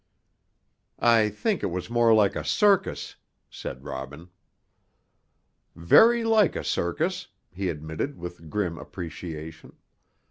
"I think it was more like a circus," said Robin. "Very like a circus," he admitted with grim appreciation.